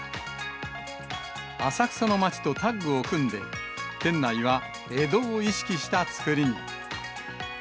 浅草の街とタッグを組んで、店内は江戸を意識した作りに。